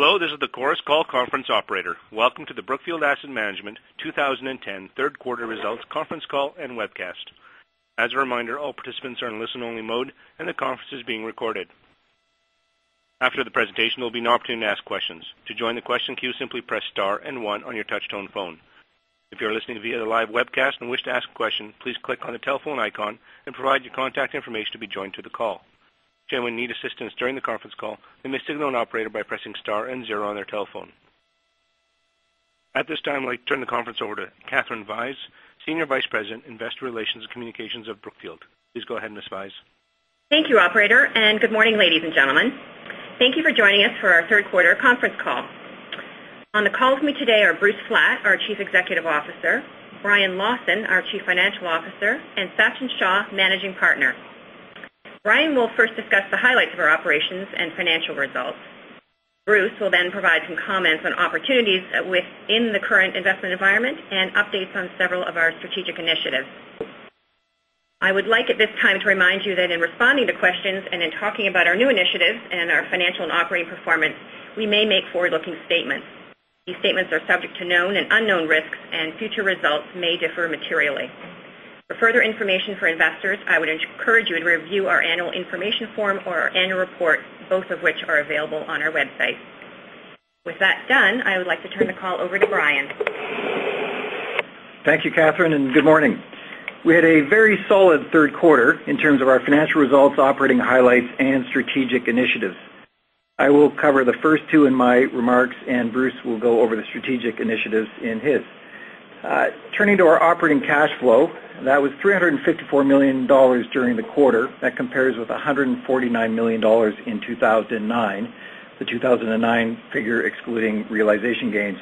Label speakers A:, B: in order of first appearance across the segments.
A: Hello. This is the Chorus Call conference operator. Welcome to the Brookfield Asset Management 20 10 Third Quarter Results Conference Call and Webcast. As a reminder, all participants are in a listen only mode and the conference is being recorded. After the presentation, there will be an opportunity to ask questions. If you're listening via the live webcast and wish to ask a question, please click on the telephone icon and provide your contact information to be joined to the call. At this time, I'd like to turn the conference over to Catherine Vyse, Senior Vice President, Investor Relations and Communications of Brookfield. Please go ahead, Ms. Vyse.
B: Thank you, operator, and good morning, ladies and gentlemen. Thank you for joining us for our Q3 conference call.
C: On the
D: call with me today
B: are Bruce Flatt, our Chief Executive Officer Brian Lawson, our Chief Financial Officer and Sachin Shah, Managing Partner. Brian will first discuss the highlights of our operations and financial results. Bruce will then provide some comments on opportunities within the current investment environment and updates on several of our strategic initiatives. I would like at this time to remind you that in responding to questions and in talking about our new initiatives and our financial and operating performance, we may make forward looking statements. These statements are subject to known and unknown risks and future results may differ materially. For further information for investors, I would encourage you to review our annual information form or our annual report, both of which are available on our website. With that done, I would like to turn the call over to Brian.
E: Thank you, Catherine and good morning. We had a very solid Q3 in terms of our financial results, operating highlights and strategic initiatives. I will cover the first two in my remarks and Bruce will go over the strategic initiatives in his. Turning to our operating cash flow, that was $354,000,000 during the quarter that compares with $149,000,000 in 2,009, the 2,009 figure excluding realization gains.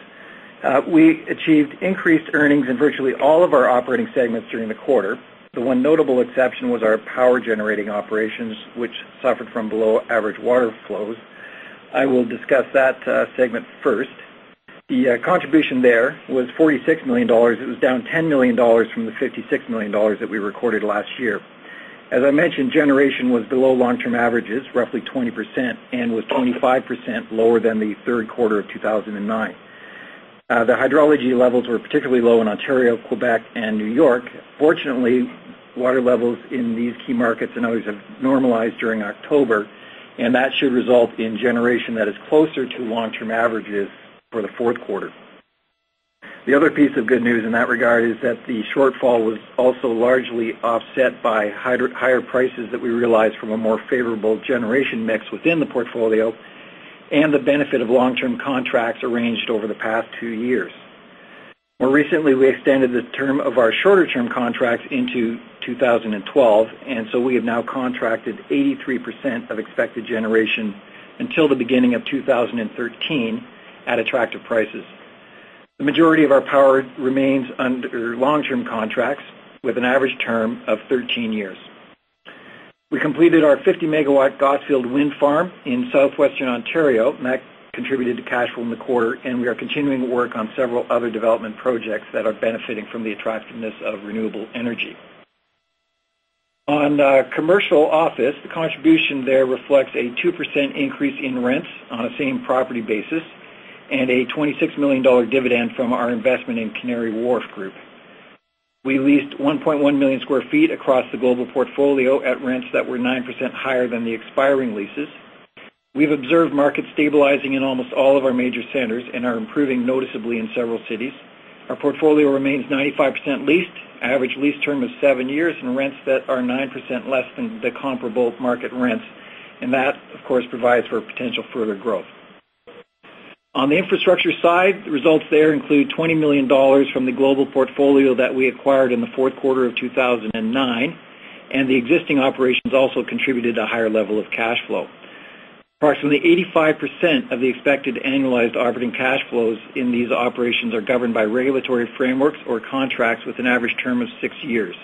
E: We achieved increased earnings in virtually all of our operating segments during the quarter. The one notable exception was our power generating operations, which suffered from below average water flows. I will discuss that segment first. The contribution there was $46,000,000 it was down $10,000,000 from the $56,000,000 that we recorded last year. As I mentioned, generation was below long term averages roughly 20% and was 25% lower than the Q3 of 2,009. The hydrology levels were particularly low in Ontario, Quebec and New York. Fortunately, water levels in these key markets and always have normalized during October and that should result in generation that is closer to long term averages for the Q4. The other piece of good news in that regard is that the shortfall was also largely offset by higher prices that we realized from a more favorable generation mix within the portfolio and the benefit of long term contracts arranged over the past 2 years. More recently, we extended the term of our shorter term contracts into 2012 and so we have now contracted 83% of expected generation until the beginning of 2013 at attractive prices. The majority of our power remains under long term contracts with an average term of 13 years. We completed our 50 Megawatt Gosfield wind farm in Southwestern Ontario and that contributed to cash flow in the quarter and we are continuing to work on several other development projects that are from the attractiveness of renewable energy. On commercial office, the contribution there reflects a 2% increase in rents on a same property basis and a $26,000,000 dividend from our investment in Canary Wharf Group. We leased 1,100,000 square feet across the global portfolio at rents that were 9% higher than the expiring leases. We've observed market stabilizing in almost all of our major centers and are improving noticeably in several cities. Our portfolio remains 95% leased, average lease term is 7 years and rents that are 9% less than the comparable market rents and that of course provides for potential further growth. On the infrastructure side, results there include $20,000,000 from the global portfolio that we acquired in the Q4 of 2,009 and the existing operations also contributed a higher level cash flow. Approximately 85 percent of the expected annualized operating cash flows in these operations are governed by regulatory frameworks or contracts with an average term of 6 years.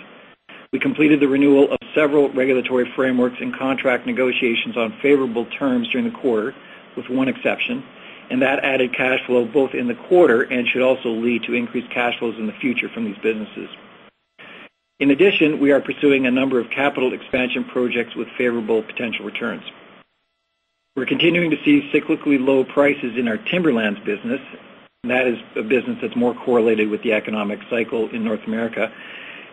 E: We completed the renewal of several regulatory frameworks and contract negotiations on favorable terms during the quarter with one exception and that added cash flow both in the quarter and should also lead to increased cash flows in the future from these businesses. In addition, we are pursuing a number of capital expansion projects with favorable potential returns. We're continuing to see cyclically low prices in our timberlands business and that is a business that's more correlated with the economic cycle in North America.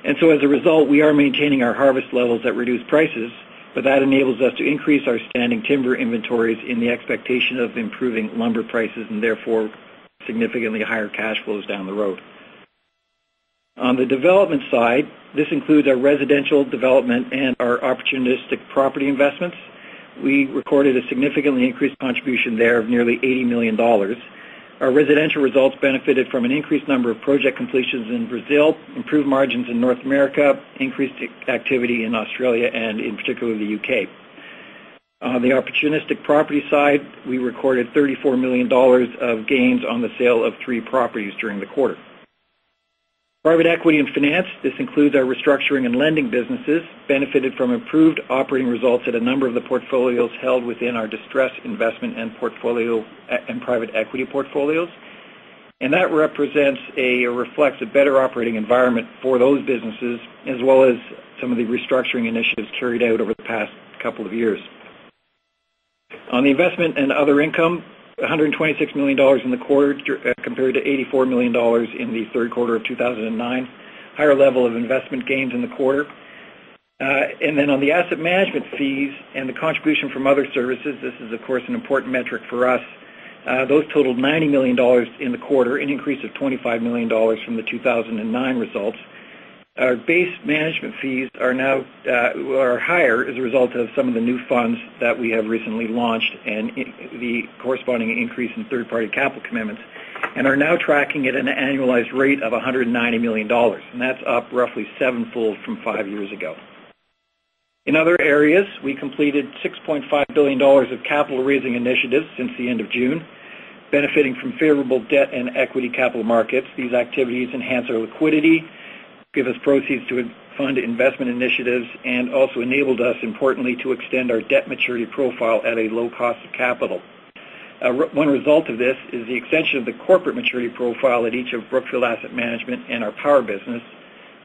E: And so as a result, we are maintaining our harvest levels that reduce prices, but that enables us to increase our standing timber inventories in the expectation of improving lumber prices and therefore significantly higher cash flows down the road. On the development side, this includes our residential development and our opportunistic property investments. We recorded a significantly increased contribution there of nearly $80,000,000 Our residential results benefited from an increased number of project completions in Brazil, improved margins in North America, increased activity in Australia and in particular the UK. On the opportunistic property side, we recorded $34,000,000 of gains on the sale of 3 properties during the quarter. Private Equity and Finance, this includes our restructuring and lending businesses benefited from improved operating results at a number of the portfolios held within our distressed investment and portfolio and private equity portfolios. And that represents a reflects a better operating environment for those businesses as well as some of the restructuring initiatives carried out over the past couple of years. On the investment and other income, dollars 126,000,000 in the quarter compared to $84,000,000 in the Q3 of 2,009, higher level of investment gains in the quarter. And then on the asset management fees and the contribution from other services, this is of course an important metric for us. Those totaled $90,000,000 in the quarter, an increase of $25,000,000 from the 2,009 results. Our base management fees are now are higher as a result of some of the new funds that we have recently launched and the corresponding increase in 3rd party capital commitments and are now tracking at an annualized rate of $190,000,000 and that's up roughly sevenfold from five years ago. In other areas, we completed $6,500,000,000 of capital raising initiatives since the end of June, benefiting from favorable debt and equity capital markets. These activities enhance our liquidity, give us proceeds to fund investment initiatives and also enabled us importantly to extend our debt maturity profile at a low cost of capital. One result of this is the extension of the corporate maturity profile at each of Brookfield Asset Management and our power business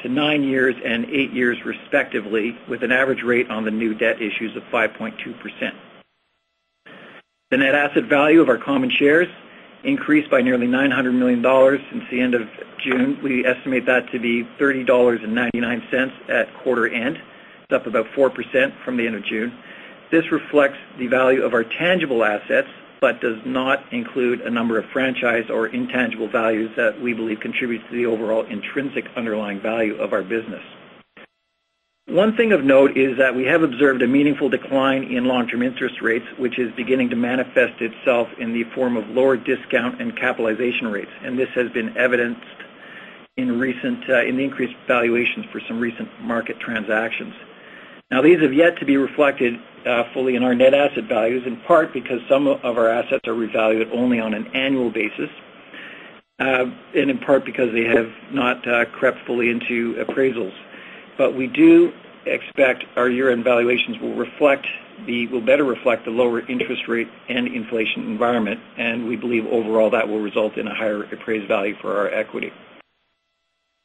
E: to 9 years 8 years respectively with an average rate on the new debt issues of 5.2%. The net asset value of our common shares increased by nearly $900,000,000 since the end of June. We estimate that to be $30.99 at quarter end, up about 4% from the end of June. This reflects the value of our tangible assets, but does not include a number of franchise or intangible values that we believe contributes to the overall intrinsic underlying value of our business. One thing of note is that we have observed a meaningful decline in long term interest rates, which is beginning to manifest itself in the form of lower discount and capitalization rates. And this has been evidenced in recent in the increased valuations for some recent market transactions. Now these have yet to be reflected fully in our net asset values in part because some of our assets are revalued only on an annual basis and in part because they have not crept fully into appraisals. But we do expect our year end valuations will reflect the will better reflect the lower interest rate and inflation environment and we believe overall that will result in a higher appraised value for our equity.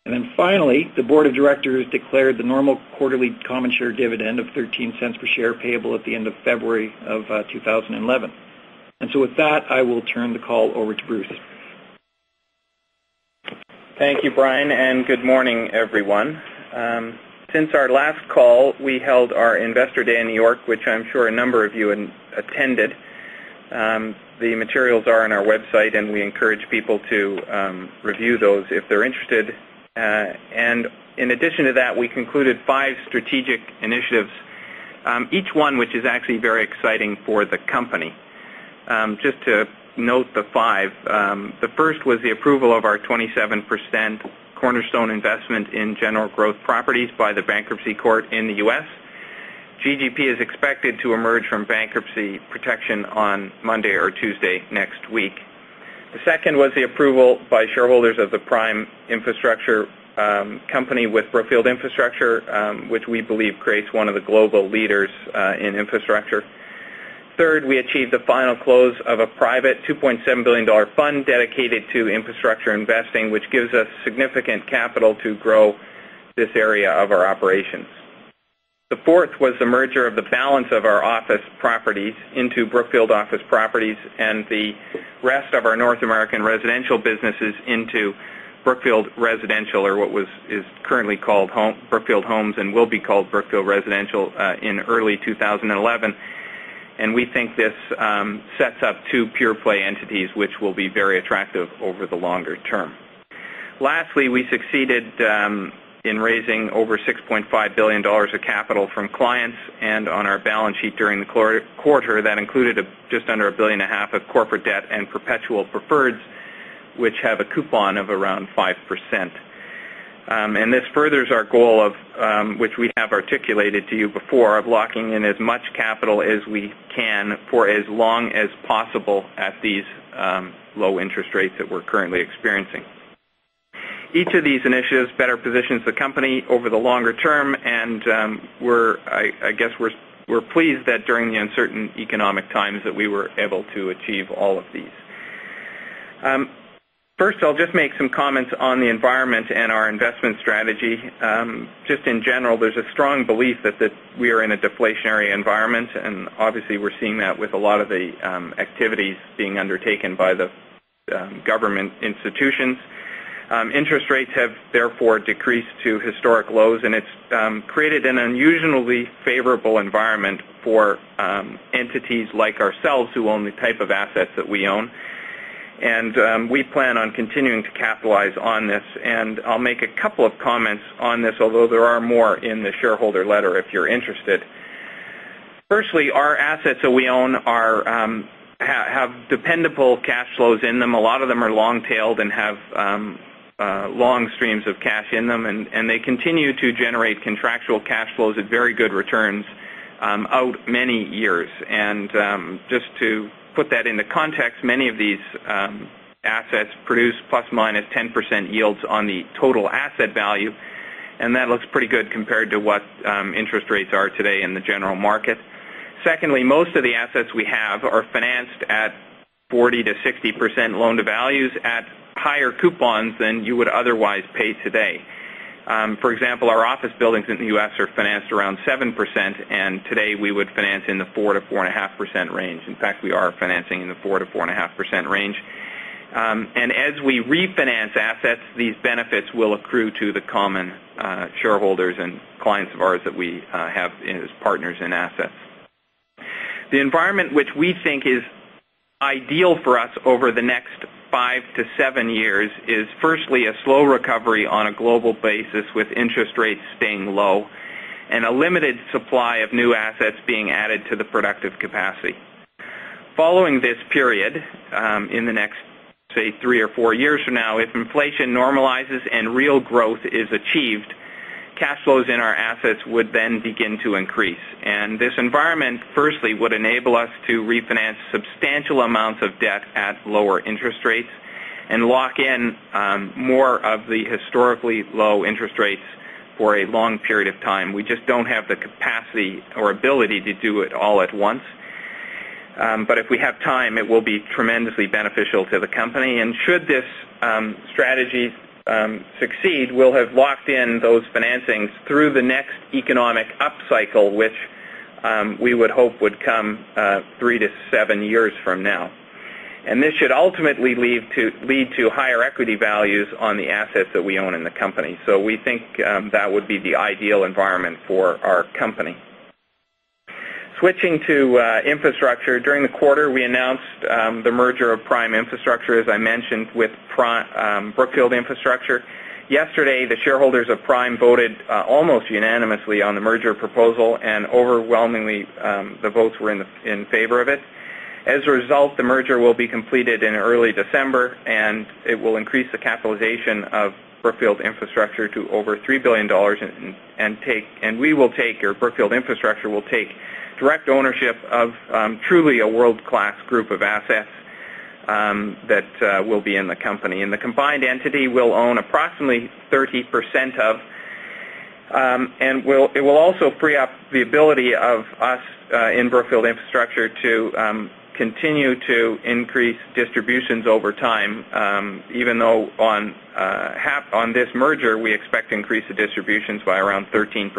E: And then finally, the Board of Directors declared the normal quarterly common share dividend of $0.13 per share payable at the end of February of 2011. And so with that, I will turn the call over to Bruce.
F: Thank you, Brian, and good morning, everyone. Since our last call, we held our Investor Day in New York, which I'm sure a number of you attended. The materials are in our website and we encourage people to review those if they're interested. And in addition to that, we concluded 5 strategic initiatives, each one which is actually very exciting for the company. Just to note the 5, the first was the approval of our 27% cornerstone investment in general growth properties by the bankruptcy court in the U. S. GGP is expected to emerge from bankruptcy protection on Monday or Tuesday next week. The second was the approval by shareholders of the prime infrastructure company with Brookfield Infrastructure, which we believe creates one of the global leaders in infrastructure. 3rd, we achieved the final close of a private $2,700,000,000 fund dedicated to infrastructure investing, which gives us significant capital to grow this area of our operations.
G: The 4th was the merger of
F: the balance of our office properties into Brookfield office properties and the rest of our North American Residential businesses into Brookfield Residential or what was is currently called Brookfield Homes and will be called Brookfield Residential in early 2011. And we think this sets up 2 pure play entities, which will be very attractive over the longer term. Lastly, we succeeded in raising over $6,500,000,000 of capital from clients and on our balance sheet during the quarter that included just under $1,500,000,000 of corporate debt and perpetual preferreds, which have a coupon of around 5%. And this furthers our goal of which we have articulated to you before of locking in as much capital as we can for as long as possible at these low interest rates that we're currently experiencing. Each of these initiatives better positions the company over the longer term and we're I guess we're pleased that during the uncertain economic times that we were able to achieve all of these. First, I'll just make some comments on the environment and our investment strategy. Just in general, there's a strong belief that we are in a deflationary environment and obviously we're seeing that with a lot of the activities being undertaken by the government institutions. Interest rates have therefore decreased to historic lows and it's created an unusually favorable environment for entities like ourselves who own the type of assets that we own. And we plan on continuing to capitalize on this. And I'll make a couple of comments on this, although there are more in the shareholder letter if you're interested. Firstly, our assets that we own are have dependable cash flows in them. A lot of them are long tailed and have long streams of cash in them and they continue to generate contractual cash flows at very good returns assets produce plusminus10 percent yields on the total asset value and that looks pretty good compared to what interest rates are today in the general market. Secondly, most of the assets we have are financed at 40% to 60% loan to values at higher coupons than you would otherwise pay today. For example, our office buildings in the U. S. Are financed around 7% and today we would finance in the 4% to 4.5% range. In fact, we are financing in the 4% to 4.5% range. And as we refinance assets, these benefits will accrue to the common shareholders and clients of ours that we have as partners and assets. The environment which we think is ideal for us over the next 5 to 7 years is firstly a slow recovery on a global basis with interest rates staying low and a limited supply of new assets being added to the productive capacity. Following this period, in the next, say, 3 or 4 years from now, if inflation normalizes and real growth is achieved, cash flows in our assets would then begin to increase. And this environment, firstly, would enable us to refinance substantial amounts of debt at lower interest rates and lock in more of the historically low interest rates for a long period of time. We just don't have strategy succeed, we'll have locked in those strategy succeed, we'll have locked in those financings through the next economic upcycle, which we would hope would come 3 to 7 years from now. And this should ultimately lead to higher equity values on the assets that we own in the company. So we think that would be the ideal environment for our company. Switching to infrastructure, during the quarter we announced the merger of Prime Infrastructure, as I mentioned, with Brookfield Infrastructure. Yesterday, the shareholders of Prime voted almost unanimously on the merger proposal and overwhelmingly, the votes were in favor of it. As a result, the merger will be completed in early December and it will increase the capitalization of Brookfield Infrastructure to over $3,000,000,000 and take and we will take or Brookfield Infrastructure will take direct ownership of truly a world class group of assets that will be in the company. And the combined entity will own approximately 30% of and it will also free up the ability of us in Brookfield Infrastructure to continue to increase distributions over time, even though on this merger, we expect to increase the distributions by around 13%.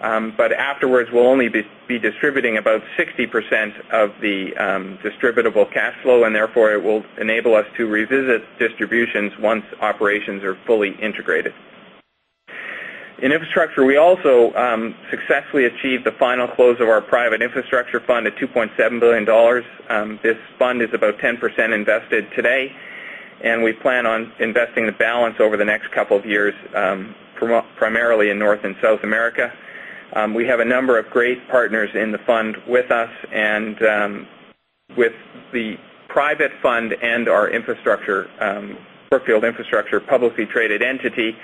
F: But afterwards, we'll only be distributing about 60% of the distributable cash flow and therefore it will enable us to revisit distributions once operations are fully integrated. In infrastructure, we also successfully achieved the final close of our private infrastructure fund at $2,700,000,000 This fund is about 10% invested today and we plan on investing the balance over the next couple of years, primarily in North and South America. We have a number of great partners in the fund with us and with the private fund and our infrastructure Brookfield infrastructure publicly traded entity,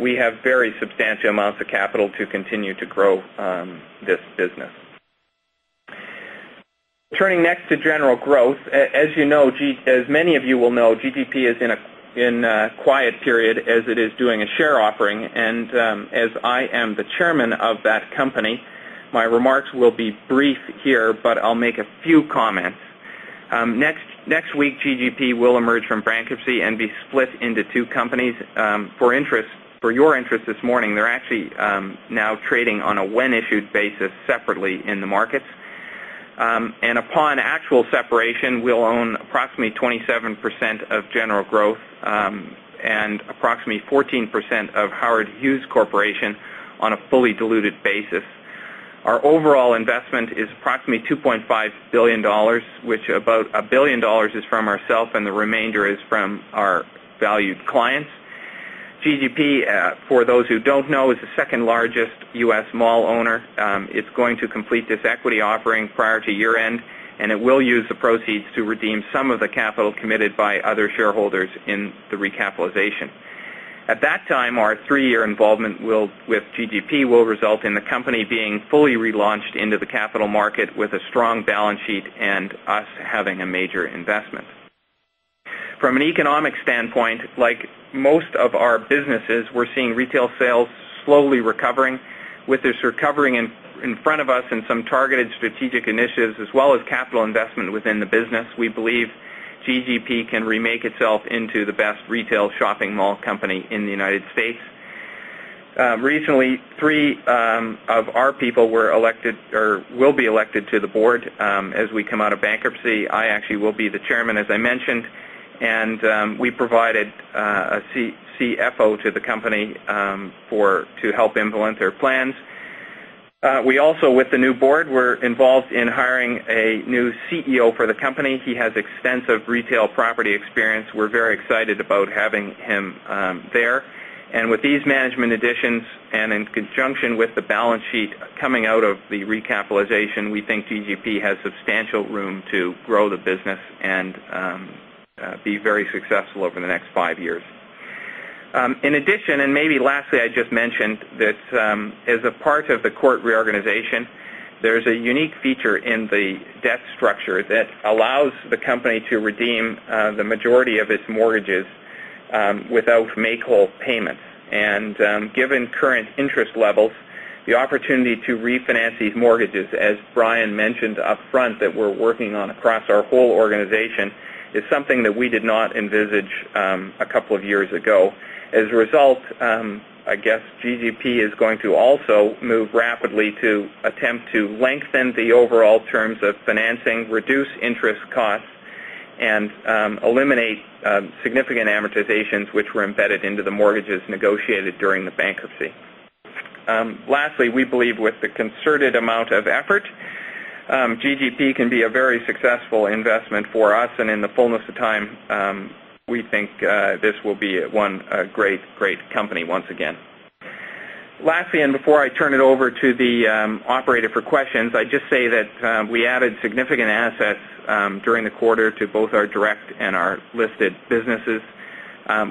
F: we have very substantial amounts of capital to continue to grow this business. Turning next to general growth, as many of you will know, GDP is in a quiet period as it is doing a share offering And as I am the Chairman of that company, my remarks will be brief here, but I'll make a few comments. Next week, GGP will emerge from bankruptcy and be split into 2 companies. For interest for your interest this morning, they're actually now trading on a when issued basis separately in the markets. And upon actual separation, we'll own approximately 27% of general growth and approximately 14% of Howard Hughes Corporation on a fully diluted basis. Our overall investment is approximately $2,500,000,000 which about $1,000,000,000 is from our self and the remainder is from our valued clients. GDP, for those who don't know, is the 2nd largest U. S. Mall owner. It's going to complete this equity offering prior to year end and it will use the proceeds to redeem some of the capital committed by other shareholders in the recapitalization. At that time, our 3 year involvement will with GGP will result in the company being fully relaunched into the capital market with a strong balance sheet and us having a major investment. From an economic standpoint, like most of our businesses, we're seeing retail sales slowly recovering with this recovering in front of us and some targeted strategic initiatives as well as capital investment within the business. We believe GGP can remake itself into the best retail shopping mall company in the United States. Recently, 3 of our people were elected or will be elected to the Board as we come out of bankruptcy. I actually will be the Chairman, as I mentioned. And we provided a CFO to the company to help implement their plans. We also with the new Board were involved in hiring a new CEO for the company. He has extensive retail property experience. We're very excited about having him there. And with these management additions and in conjunction with the balance sheet coming out of the recapitalization, we think GGP has substantial room to grow the business and be very successful over the next 5 years. In addition and maybe lastly, I just mentioned that as a part of the court reorganization, there is a unique feature in the debt structure that allows the company to redeem the majority of its mortgages without make whole payments. And given current interest levels, the opportunity to refinance these mortgages, as Brian mentioned upfront that we're working on across our whole organization, is something that we did not envisage a couple of years ago. As a result, I guess, GGP is going to also move rapidly to attempt to lengthen the overall terms of financing, reduce interest costs and eliminate significant amortizations, which were embedded into the mortgages negotiated during the bankruptcy. Lastly, we believe with the concerted amount of effort, GGP can be a very successful investment for us and in the fullness of time, we think this will be one great, great company once again. Lastly, and before I turn it over to the operator for questions, I'd just say that we added significant assets during the quarter to both our direct and our listed businesses.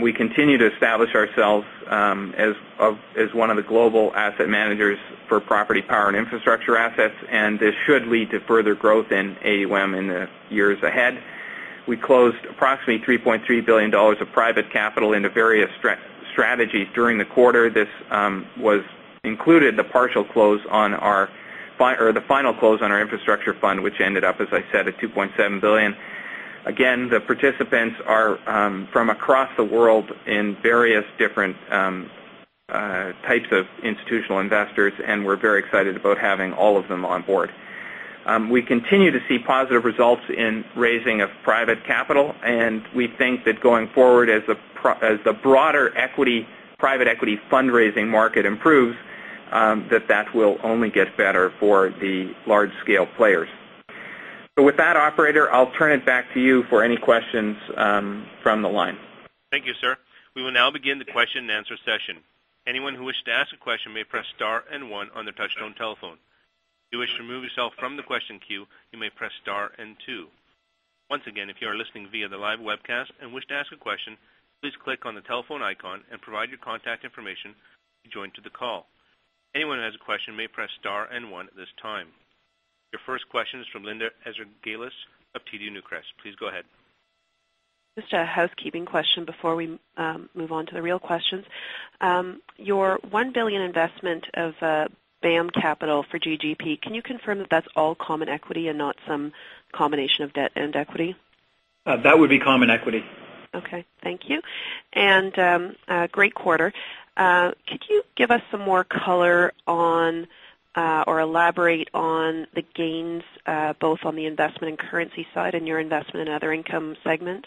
F: We continue to establish ourselves as one of the global asset managers for property, power and infrastructure assets and this should lead to further growth in AUM in the years ahead. We closed approximately $3,300,000,000 of private capital into various strategies during the quarter. This was included the partial close on our or the final close on our infrastructure fund, which ended up as I said at $2,700,000,000 Again, the participants are from across the world in various different types of institutional investors and we're very excited about having all of them on board. We continue to see positive results in raising of private capital and we think that going forward as the broader equity private equity fundraising market improves, that that will only get better for the large scale players. So with that, operator, I'll turn it back to you for any questions from the line.
A: Thank you, sir. We will now begin the question and answer Your first question is from Linda Ezergailis of TD Newcrest. Please go ahead.
D: Just a housekeeping question before we move on to the real questions. Your CAD1 1,000,000,000 investment of BAM Capital for GGP, can you confirm that that's all common equity and not some combination of debt and equity?
E: That would be common equity.
D: Okay. Thank you. And great quarter. Could you give us some more color on or elaborate on the gains both on the investment and currency side and your investment and other income segment?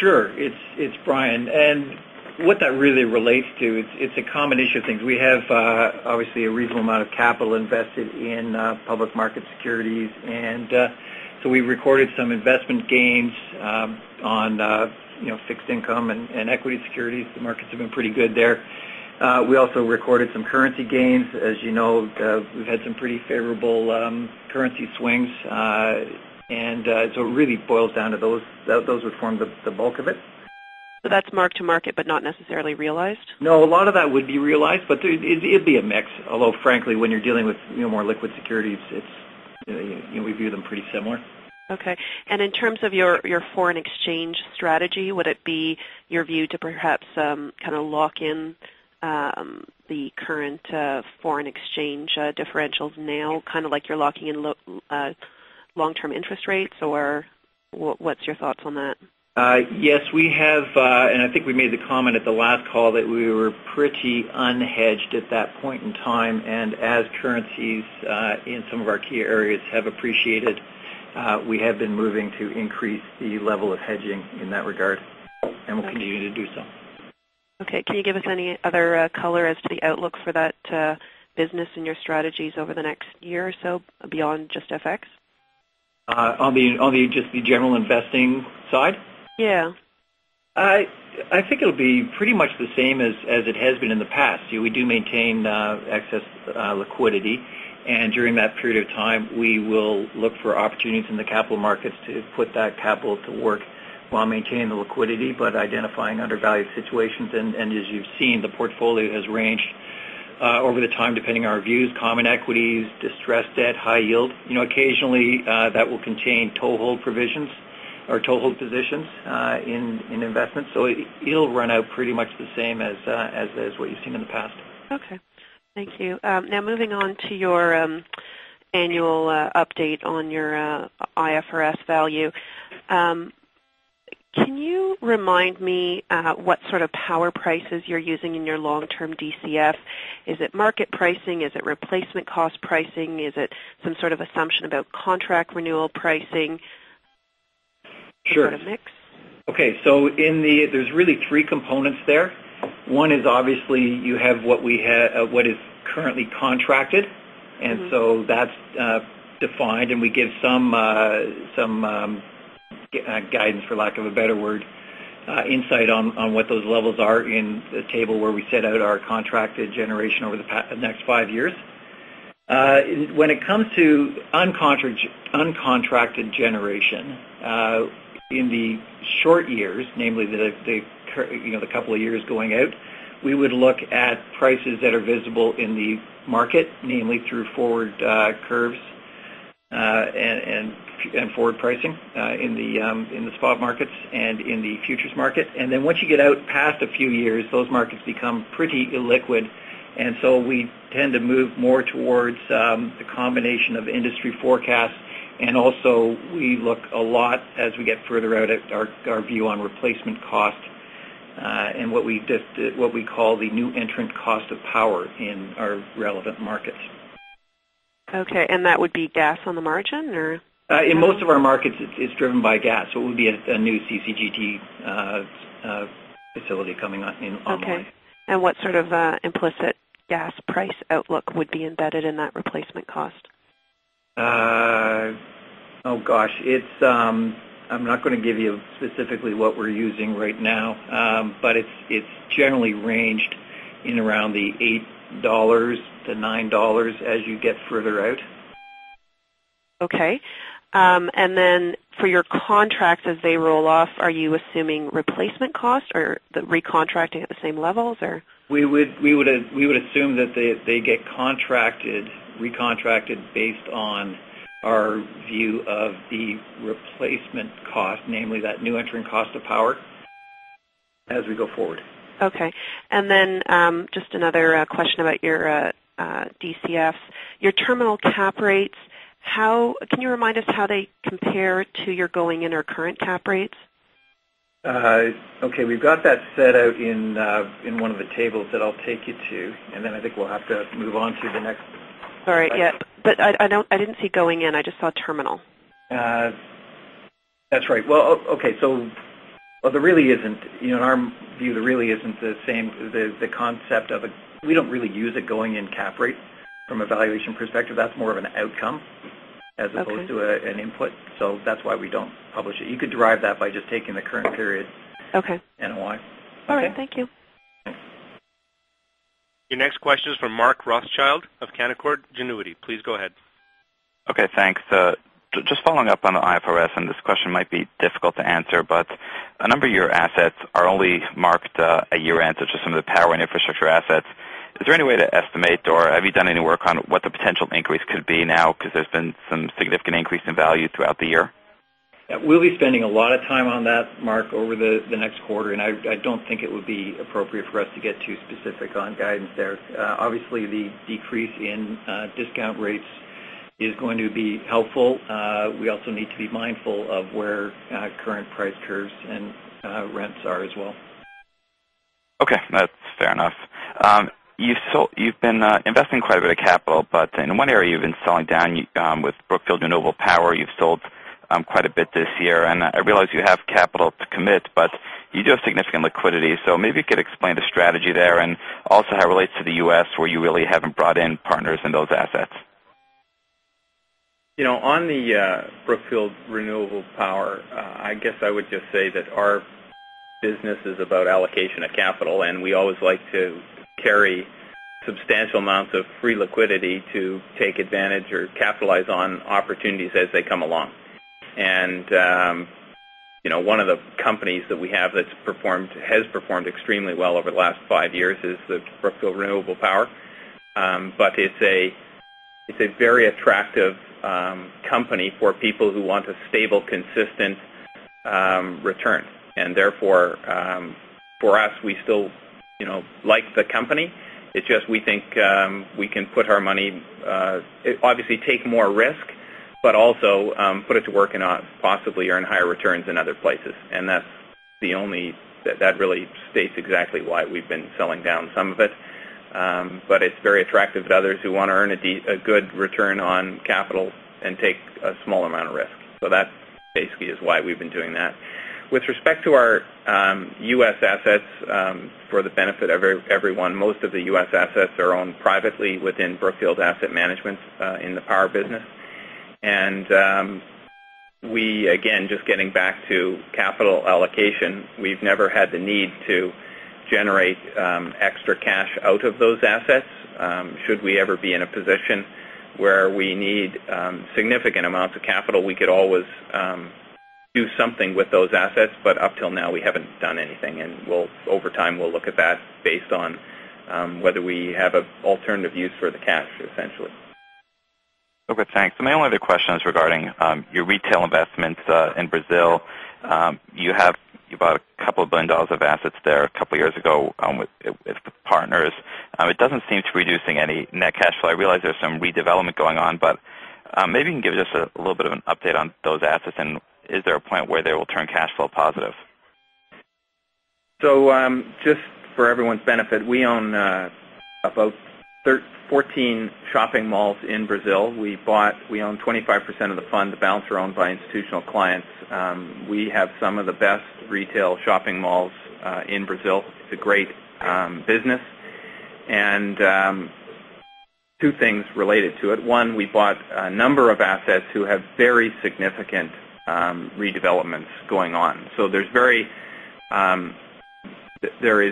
E: Sure. It's Brian. And what that really relates to, it's a common issue of things. We have obviously a reasonable amount of capital securities. The markets have been pretty good there. We also recorded some currency securities. The markets have been pretty good there. We also recorded some currency gains. As you know, we've had some pretty favorable currency swings. And so it really boils down to those reforms of the bulk of it.
D: So that's mark to market, but not necessarily realized?
E: No, a lot of that would be realized, but it would be a mix. Although frankly when you're dealing with more liquid securities, it's we view them pretty similar.
D: Okay. And in terms of your foreign exchange strategy, would it be your view to perhaps kind of lock in the current foreign exchange differentials now kind of like you're locking in long term interest rates or what's your thoughts on that?
E: Yes, we have and I think we made the comment at the last call that we were pretty un hedged at that point in time. And as currencies in some of our key areas have appreciated, we have been moving to increase the level of hedging in that regard and we'll continue to do so.
D: Okay. Can you give us any other color as to the outlook for that business and your strategies over the next year or so beyond just FX?
E: On the just the general investing side?
D: Yeah.
E: I think it will be pretty much the same as it has been in the past. We do maintain excess liquidity. And during that period of time, we will look for opportunities in the capital markets to put that capital to work while maintaining the liquidity, but identifying undervalued situations. And as you've seen, the portfolio has ranged over the time depending on our views, common equities, distressed debt, high yield. Occasionally that will contain toehold provisions or toehold positions in investments. So it will run out pretty much the same as what you've seen
D: in the past. Okay. Thank you. Now moving on to your annual update on your IFRS value. Can you remind me what sort of power prices you're using in your long term DCF? Is it market pricing? Is it replacement cost pricing? Is it some sort of assumption about contract renewal pricing? Mix? Sure.
E: Okay. So in the there's really 3 components there. One is obviously you have what we have what is currently contracted. And so that's defined and we give some guidance for lack of a better word insight on what those levels are in the table where we set out our contracted generation over the next 5 years. When it comes to uncontracted generation in the short years namely the couple of years going out, we would look at prices that are visible in the market namely through forward curves and forward pricing in the spot markets and in the futures market. And then once you get out past a few years those markets become pretty illiquid. And so we tend to move more towards the combination of industry forecast and also we look a lot as we get further out at our view on replacement cost and what we call the new entrant cost of power in our relevant markets.
D: Okay. And that would be gas on the margin or?
E: In most of our markets it's driven by gas. So it would be a new CCGT facility coming on the line.
D: Okay. And what sort of implicit gas price outlook would be embedded in that replacement cost?
E: Oh, gosh, it's I'm not going to give you specifically what we're using right now, but it's generally ranged in around the $8 to $9 as you get further out.
D: Okay. And then for your contracts as they roll off, are you assuming replacement costs or the re contracting at the same levels or?
E: We would assume that they get re contracted based on our view of the replacement cost, namely that new entering cost of power as we go forward.
D: Okay. And then just another question about your DCF. Your terminal cap rates, how can you remind us how they compare to your going in or current cap rates?
E: Okay. We've got that set out one of the tables that I'll take you to and then I think we'll have to move on to the next.
D: Sorry, yes. But I didn't see going in, I just saw terminal.
E: That's right. Well, okay. So, but there really isn't in our view there really isn't the same the concept of it. We don't really use it going in cap rate from a valuation perspective. That's more of an outcome as opposed to an input. So that's why we don't publish it. You could drive that by just taking the current period NOI.
D: All right. Thank you.
A: Your next question is from Mark Rothschild of Canaccord Genuity. Please go ahead.
H: Okay, thanks. Just following up on the IFRS and this question might be difficult to answer, but a number of your assets are only marked at year end, which is some of the power and infrastructure assets. Is there any way to estimate or have you done any work on what the potential increase could be now because there's been some significant increase in value throughout the year?
E: We'll be spending a lot of time on that Mark over the next quarter and I don't think it would be appropriate for us to get too specific on guidance there. Obviously, the decrease in discount rates is going to be helpful. We also need to be mindful of where current price curves and rents are as well.
H: Okay. That's fair enough. You've been investing quite a bit of capital, but in one area you've been selling down with Brookfield De Noble Power, you've sold quite a bit this year. And I realize you have capital to commit, but you do have significant liquidity. So maybe you could explain the strategy there and also how it relates to the U. S. Where you really haven't brought in partners in those assets?
F: On the Brookfield Renewable Power, I guess I would just say that our business is about allocation of capital and we always like to carry substantial amounts of free liquidity to take advantage or capitalize on opportunities as they come along. And one of the companies that we have that's performed has performed extremely well over the last 5 years is the Brookfield Renewable Power. But it's a very attractive company for people who want a stable consistent return. And therefore for us, we still like the company. It's just we think we can put our money obviously take more risk but also put it to work and possibly earn higher returns in other places. And that's the only that really states exactly why we've been selling down some of it. But it's very attractive to others who want to earn a good return on capital and take a small amount of risk. So that basically is why we've been doing that. With respect to our U. S. Assets for the benefit of everyone, most of the U. S. Assets are owned privately within Brookfield Asset Management in the Power business. And we again just getting back to capital allocation, we've never had the need to generate extra cash out of those assets. Should we ever be in a position where we need significant amounts of capital, we could always do something with those assets. But up till now, we haven't done anything and we'll over time, we'll look at that based on whether we have an alternative use for the cash essentially.
H: Okay. Thanks. And my only other question is regarding your retail investments in Brazil. You have you bought a couple of $1,000,000,000 of assets there a couple of years ago with partners. It doesn't seem to be reducing any net cash flow. I realize there's some redevelopment going on, but maybe you can
E: give us a little bit
H: of an update on those assets. And is there a point where they will turn cash flow positive?
F: So just for everyone's benefit, we own about 14 shopping malls in Brazil. We bought we own 25% of the fund. The balance are owned by institutional clients. We have some of the best retail shopping malls in Brazil. It's a great business. And 2 things related to it. 1, we bought a number of assets who have very significant redevelopments going on. So there is very there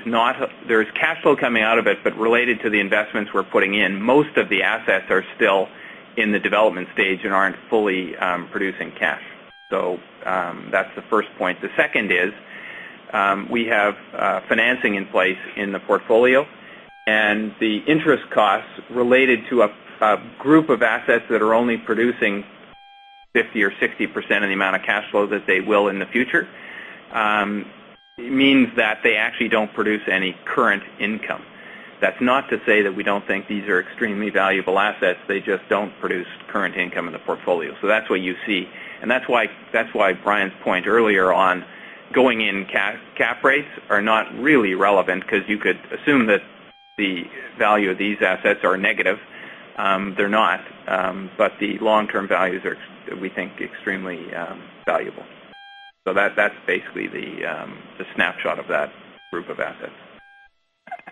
F: is cash flow coming out of it, but related to the investments we're putting in most of the assets are still in the development stage and aren't fully producing cash. So that's the first point. The second is, we have financing in place in the portfolio and the interest costs related to a group of assets that are only producing 50% or 60% of the amount of cash flow that they will in the future, it means that they actually don't produce any current income. That's not to say that we don't think these are extremely valuable assets. They just don't produce current income in the portfolio. So that's what you see. And that's why Brian's point earlier on going in cap rates are not really relevant because you could assume that the value of these assets are negative. They're not, but the long term values are we think extremely valuable. So that's basically the snapshot of that group of assets.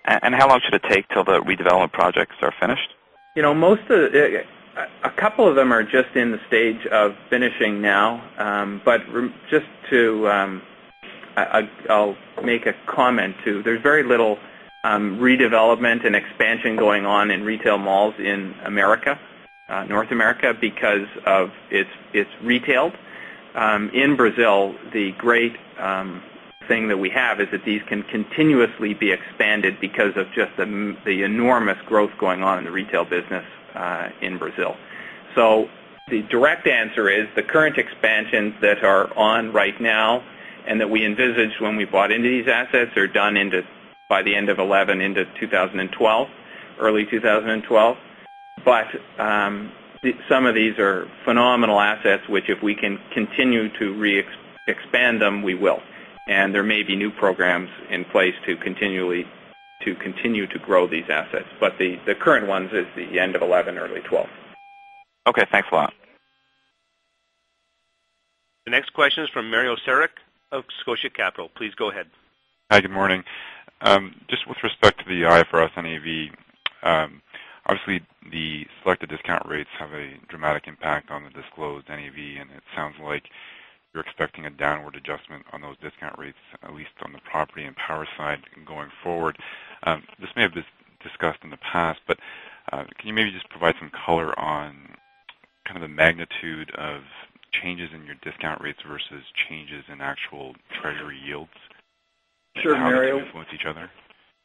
F: And how long should it take till the redevelopment projects are finished? Most of a couple of them are just in the stage of finishing now. But just to I'll make a comment too. There's very little redevelopment and expansion going on in retail malls in America, North America because of its retail. In Brazil, the great thing that we have is that these can continuously be expanded because of just the enormous growth going on in the retail business in Brazil. So the direct answer is the current expansions that are on right now and that we envisage when we bought into these assets are done into by the end of 'eleven into 2012, early 2012. But some of these are phenomenal assets, which if we can continue to re expand them, we will. And there may be new programs in place to continually to continue to grow these assets. But the current ones is the end of 2011 early 12.
H: Okay. Thanks a lot.
A: The next question is from Mario Saric of Scotia Capital. Please go ahead.
I: Hi, good morning. Just with respect to the IFRS NAV, obviously the selected discount rates have a dramatic impact on the disclosed NAV and it sounds like you're expecting a downward adjustment on those discount rates at least on the property and power side going forward. This may have been discussed in the past, but can you maybe just provide some color on kind of the magnitude of changes in your discount rates versus changes in actual treasury yields?
D: Sure, Mario.
F: How do you
I: influence each other?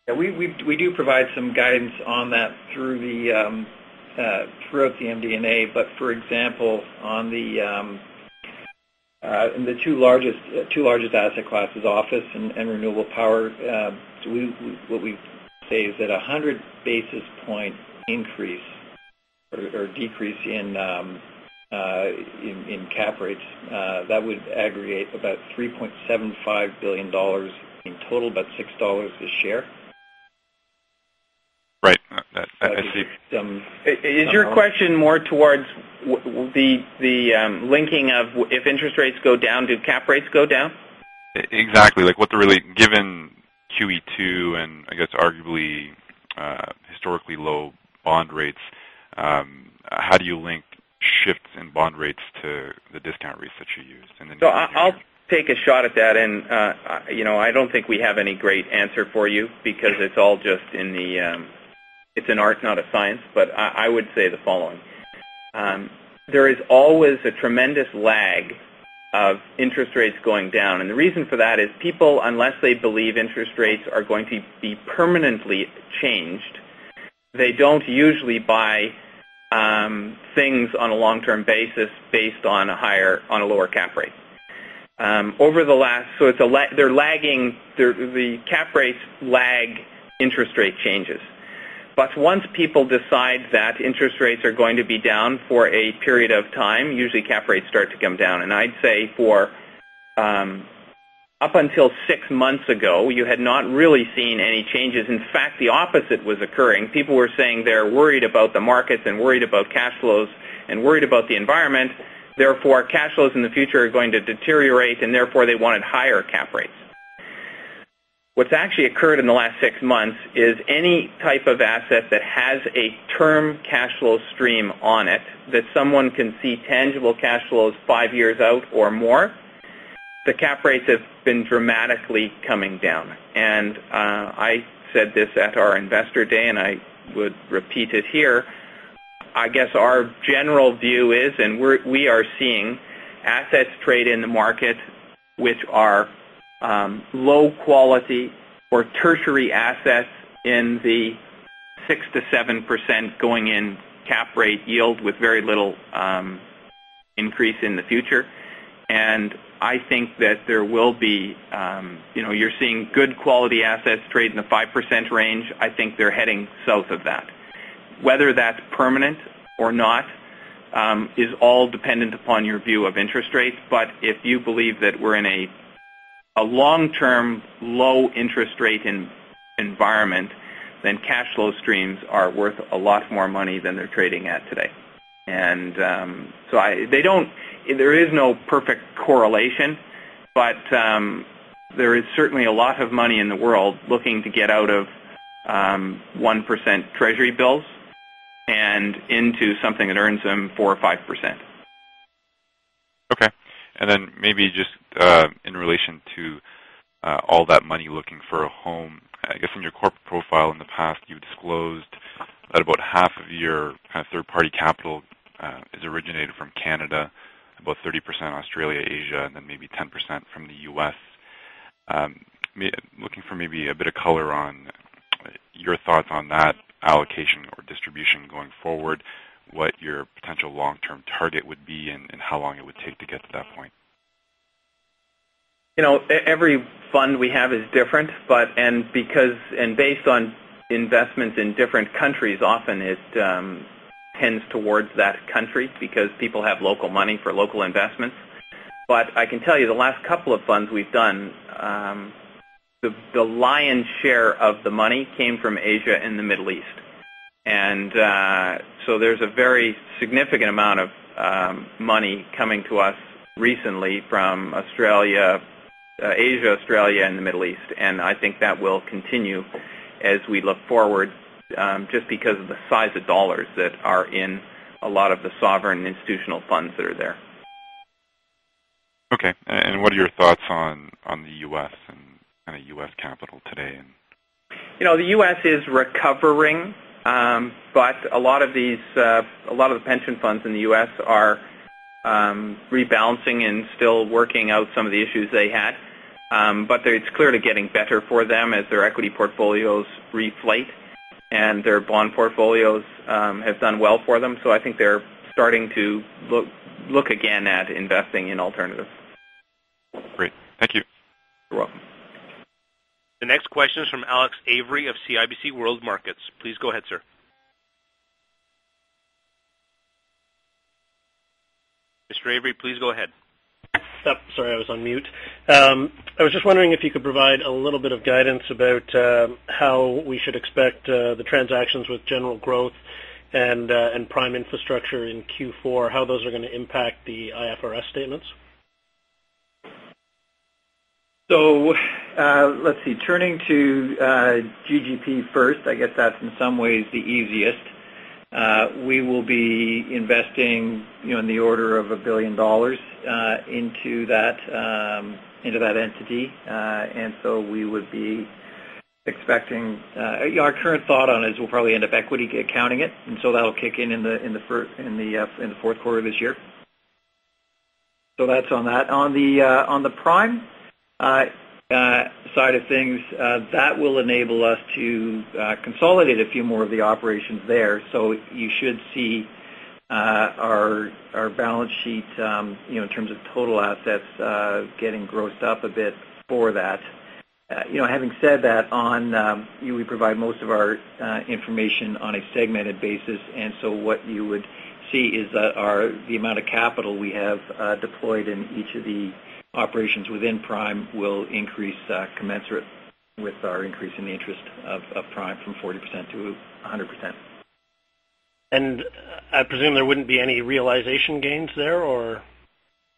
E: We do provide some guidance on that through the throughout the MD and A. But for example, on the 2 largest asset classes office and renewable power, what we say is that 100 basis point increase or decrease in cap rates that would aggregate about $3,750,000,000 in total about $6 a share.
I: Right.
F: Is your question more towards the linking of if interest rates go down, do cap rates go down?
I: Exactly. Like what the really given QE2 and I guess arguably historically low bond rates, how do you link shifts in bond rates to the discount rates that you used?
E: So I'll
J: take a shot at
F: that and I don't think we have any great answer for you because it's all just in the it's an art, not a science, but I would say the following. There is always a tremendous lag of interest rates going down. And the reason for that is people unless they believe interest rates are going to be permanently changed, they don't usually buy things on a long term basis based on a higher on a lower cap rate. Over the last so it's a they're lagging the cap rates lag interest rate changes. But once people decide that interest rates are going to be down for a period of time, usually cap rates start to come down. And I'd say for up until 6 months ago, you had not really seen any changes. In fact, the opposite was occurring. People were saying they're worried about the markets and worried about cash flows and worried about the environment. Therefore, cash flows in the future are going to deteriorate and therefore they wanted higher cap rates. What's actually occurred in the last 6 months is any type of asset that has a term cash flow stream on it that someone can see tangible cash flows 5 years out or more, the cap rates have been dramatically coming down. And I said this at our Investor Day and I would repeat it here. I guess our general view is and we are seeing assets trade in the market, which are low quality or tertiary assets in the 6% to 7% going in cap rate yield with very little increase in the future. And I think that there will be you're seeing good quality assets trade in the 5% range. I think they're heading south of that. Whether that's permanent or not, is all dependent upon your view of interest rates. But if you believe that we're in a long term low interest rate environment, then cash flow streams are worth a lot more money than they're trading at today. And so they don't there is no perfect correlation, but there is certainly a lot of money in the world looking to get out of 1% treasury bills and into something that earns them 4% or 5%.
I: Okay. And then maybe just in relation to all that money looking for a home, I guess from your corporate profile in the past, you disclosed that about half of your third party capital is originated from Canada, about 30% Australia, Asia and then maybe 10% from the U. S. Looking for maybe a bit of color on your thoughts on that allocation or distribution going forward, what your potential long term target would be and how long it would take to get to that point?
F: Every fund we have is different, but and because and based on investments in different countries often it tends towards that country because people have local money for local investments. But I can tell you the last couple of funds we've done, the lion share of the money came from Asia and the Middle East. And so there's a very significant amount of money coming to us recently from Australia Asia, Australia and the Middle East. And I think that will continue as we look forward just because of the size of dollars that are in a lot of the sovereign institutional funds that are there.
I: Okay. And what are your thoughts on the U. S. And kind of U. S. Capital today?
F: The U. S. Is recovering, but a lot of these a lot of the pension funds in the U. S. Are rebalancing and still working out some of the issues they had. But it's clearly getting better for them as their equity portfolios reflate and their bond portfolios has done well for them. So I think they're starting to look again at investing in alternatives.
I: Great. Thank you.
H: You're welcome.
A: The next question is from Alex Avery of CIBC World Markets. Please go ahead, sir. Mr. Avery, please go ahead.
K: Sorry, I was on mute. I was just wondering if you could provide a little bit of guidance about how we should expect the transactions with General Growth and Prime Infrastructure in Q4, how those are going to impact the IFRS statements?
E: So, let's see. Turning to GGP first, I guess that's in some ways the easiest. We will be investing in the order of $1,000,000,000 into that entity. And so we would be expecting our current thought on is we'll probably end up equity accounting it. And so that will kick in the Q4 of this year. So that's on that. On the prime side of things that will enable us to consolidate a few more of the operations there. So you should see our balance sheet in terms of total assets getting grossed up a bit for that. Having said that, on we provide most of our information on a segmented basis. And so what you would see is that our the amount of capital we have deployed in each of the operations within prime will increase commensurate with our increase in the interest of prime from 40% to 100%.
K: And I presume there wouldn't be any realization gains there or?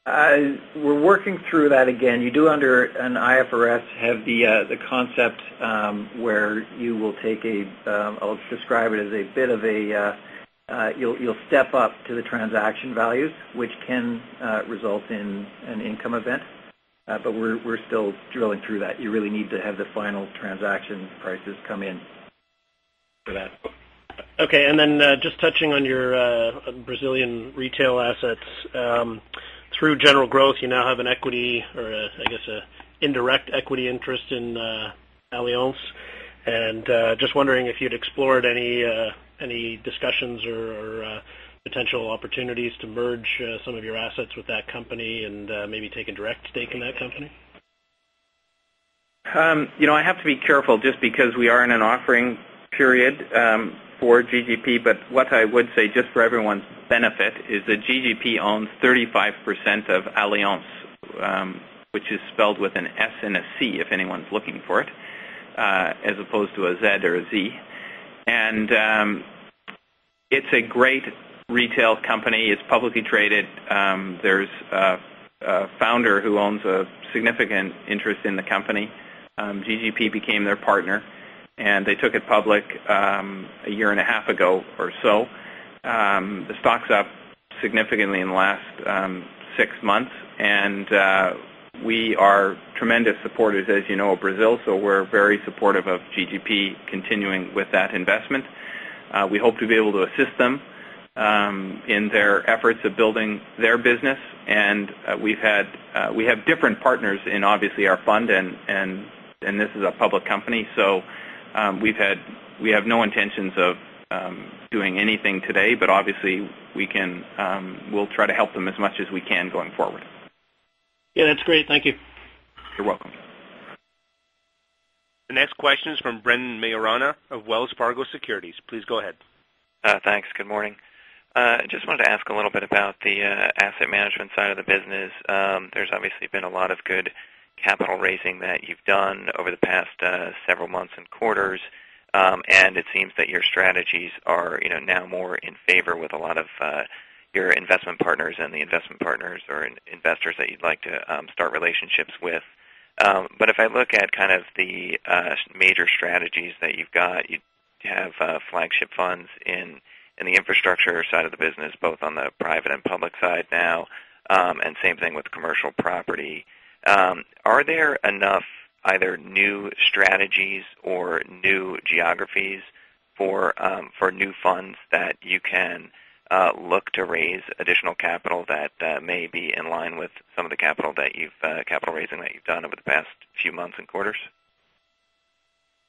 E: We're working through that again. You do under an IFRS have the concept where you will take a you'll step up to the transaction values which can result in an income event. But we're still drilling through that. You really need to have the final transaction prices come in.
H: For that.
K: Okay. And then just touching on your Brazilian retail assets. Through general growth, you now have an equity or I guess indirect equity interest in Alliance. And just wondering if you'd explored any discussions or potential opportunities to merge some of your assets with that company and maybe take a direct stake in that company?
F: I have to be careful just because we are in an offering period for GGP. But what I would say just for everyone's benefit is that GGP owns 35% of Allianz, which is spelled with an S and a C if anyone's looking for it as opposed to a Z or Z. And it's a great retail company, it's publicly traded. There's a founder who owns a significant interest in the company. GGP became their partner and they took it public a year and a half ago or so. The stock is up significantly in the last 6 months and we are tremendous supporters as you know of Brazil. So we're very supportive of GGP continuing with that investment. We hope to be able to assist them in their efforts of building their business. And we've had we have different partners in obviously our fund and this is a public company. So we've had we have no intentions of doing anything today. But obviously we can we'll try to help them as much as we can going forward.
A: The next question is from Brendan Majorana of Wells Fargo Securities. Please go ahead.
C: Thanks. Good morning. I just wanted to ask a little bit about the asset management side of the business. There's obviously been a lot of good capital raising that you've done over the past several months quarters. And it seems that your strategies are now more in favor with a lot of your investment partners and the investment partners or investors that you'd like to start relationships with. But if I look at kind of the major strategies that you've got, you have flagship funds in the infrastructure side of the business, both on the private and public side now, and same thing with commercial property. Are there enough either new strategies or new geographies for new funds that you can look to raise additional capital that may be in line with some of the capital raising that you've done over the past few months quarters?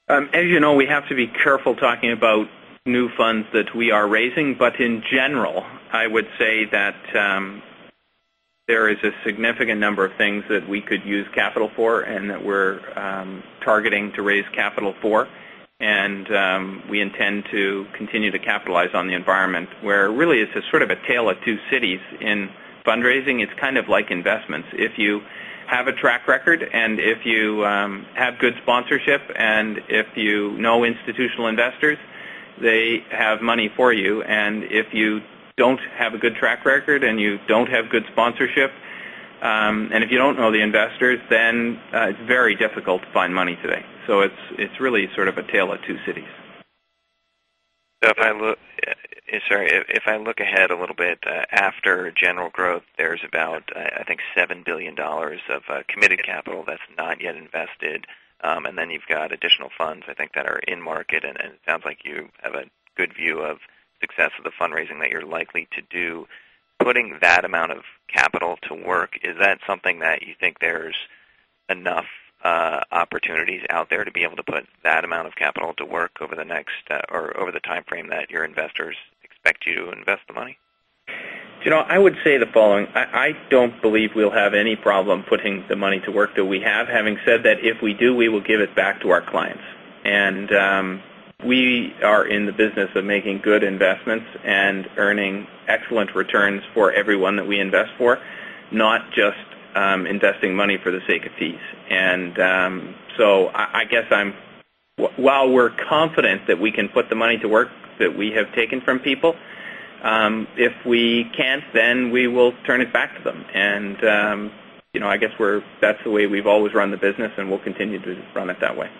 F: As you know, we have to be careful talking about new funds that we are raising. But in general, I would say that there is a significant number of things that we could use capital for and that we're targeting to raise capital for. And we intend to continue to capitalize on the environment where really it's a sort of a tale of 2 cities in fundraising. It's kind of like investments. If you have a track record and if you have good sponsorship and if you know institutional investors, they have money for you. And if you don't have a good track record and you don't have good sponsorship, and if you don't know the investors, then it's very difficult to find money today. So it's really sort of a tale of 2
C: cities. Sorry, if I look ahead a little bit after general growth, there's about I think $7,000,000,000 of committed capital that's not yet invested. And then you've got additional funds I think that are in market and it sounds like you have a good view of success of the fundraising that you're likely to do. Putting that amount of capital to work, is that something that you think there's enough opportunities out there to be able to put that amount of capital to work over the next or over the timeframe that your investors expect you to invest the money?
F: I would say the following. I don't believe we'll have any problem putting the money to work that we have. Having said that, if we do, we will give it back to our clients. And we are in the business of making good investments and earning excellent returns for everyone that we invest for, not just investing money for the sake of fees. And so I guess I'm while we're confident that we can put the money to work that we have taken from people, If we can't, then we will turn it back to them. And I guess we're that's the way we've always run the business and we'll continue to run it that way.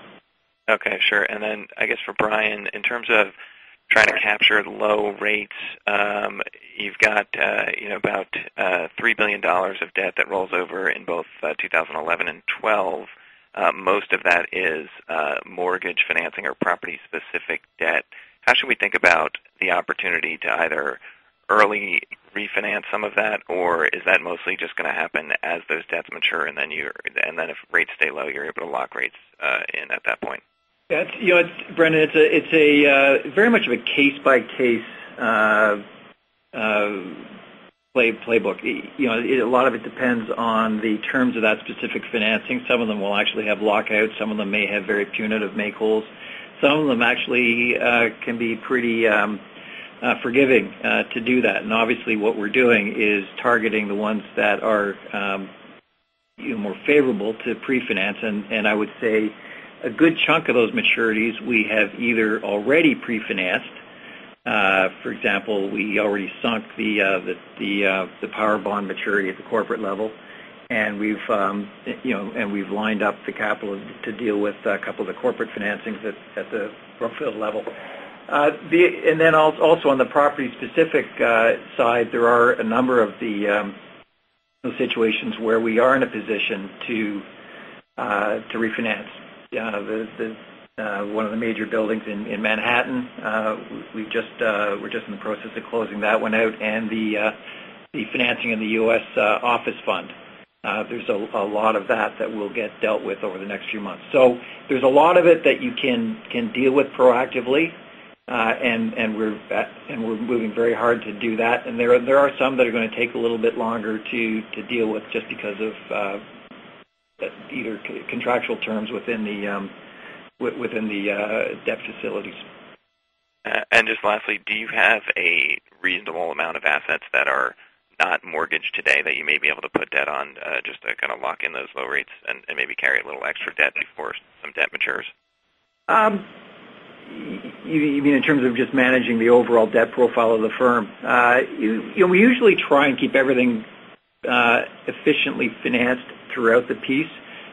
C: Okay, sure. And then I guess for Brian, in terms of trying to capture low rates, you've got about $3,000,000,000 of debt that rolls over in both 2011 2012. Most of that is mortgage financing or property specific debt. How should we think about the opportunity to either early refinance some of that? Or is that mostly just going to happen as those debts mature and then you're and then if rates stay low you're able to lock rates in at that point?
E: Yes, Brendan it's a very much of a case by case playbook. A lot of it depends on the terms of that specific financing. Some of them will actually have lockouts. Some of them may have very punitive make holes. Some of them actually can be pretty forgiving to do that. And obviously what we're doing is targeting the ones that are more favorable to pre finance. And I would say a good chunk of those maturities we have either already pre financed, for example, we already sunk the power bond maturity at the corporate level. And we've lined up the capital to deal with a couple of the corporate financings at the Brookfield level. And then also on the property specific side, there are a number of the situations where we are in a position to refinance One of the major buildings in Manhattan, we're just in the process of closing that one out and the financing in the U. S. Office fund. There's a lot of that that will get dealt with over the next few months. So there's a lot of it that you can deal with proactively and we're moving very hard to do that. And there are some that are going to take a little bit longer to deal with just because of either contractual terms within the debt facilities.
C: And just lastly, do you have a reasonable amount of assets that are not mortgage today that you may be able to put debt on just to kind of lock in those low rates and maybe carry a little extra debt before some debt matures?
E: You mean in terms of just managing the overall debt profile of the firm. We usually try and keep everything efficiently financed throughout the piece.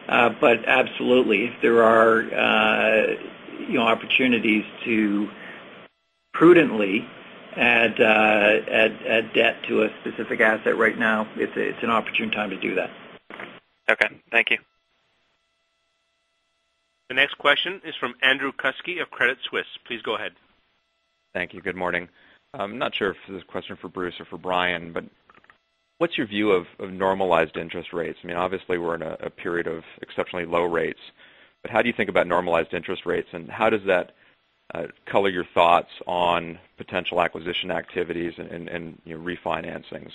E: But absolutely if there are opportunities to prudently add debt to a specific asset right now. It's an opportune time to do that.
H: Okay. Thank you.
A: The next question is from Andrew Kuske of Credit Suisse. Please go ahead.
L: Thank you. Good morning. I'm not sure if this question is for Bruce or for Brian, but what's your view of normalized interest rates? I mean, obviously, we're in a period of exceptionally low rates. But how do you think about normalized interest rates? And how does that color your thoughts on potential acquisition activities and refinancings?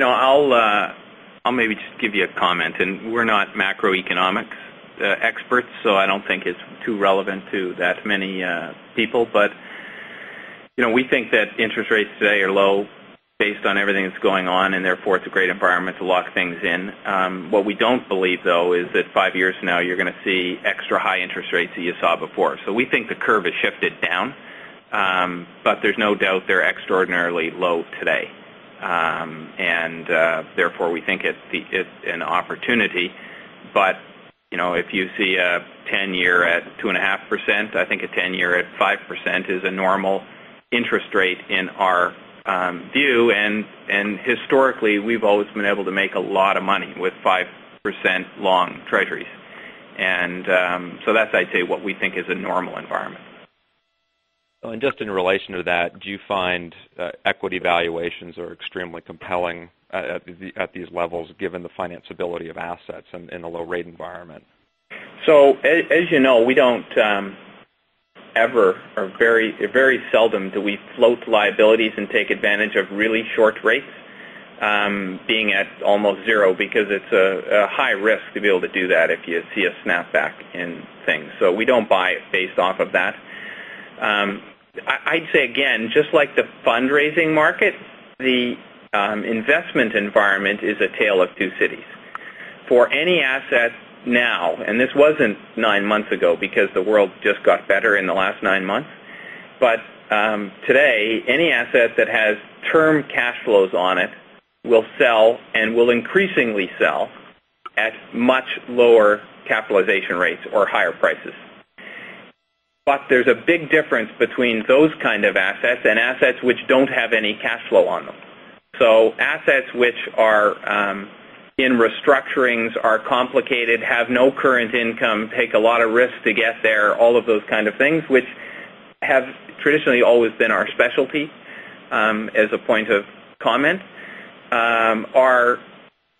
F: I'll maybe just give you a comment and we're not macroeconomic experts. So I don't think it's too relevant to that many people. But we think that interest rates today are low based on everything that's going on and therefore it's a great environment to lock things in. What we don't believe though is that 5 years from now you're going to see extra high interest rates that you saw before. So we think the curve has shifted down, but there's no doubt they're extraordinarily low today. And therefore, we think it's an opportunity. But if you see a 10 year at 2.5%, I think a 10 year at 5% is a normal interest rate in our view. And historically, we've always been able to make a lot of money with 5% long treasuries. And so that's I'd say what we think is a normal environment.
L: And just in relation to that, do you find equity valuations are extremely compelling at these levels given the financeability of assets in the low rate environment?
F: So as you know, we don't ever or very seldom do we float liabilities and take advantage of really short rates being at almost 0 because it's a high risk to be able to do that if you see a snapback in things. So we don't buy based off of that. I'd say again, just like the fundraising market, the investment environment is a tale of 2 cities. For any asset now and this wasn't 9 months ago because the world just got better in the last 9 months. But today, any asset that has term cash flows on it will sell and will increasingly sell at much lower capitalization rates or higher prices. But there's a big difference between those kind of assets and assets which don't have any cash flow on them. So assets which are in restructurings are complicated, have no current income, take a lot of risk to get there, comment are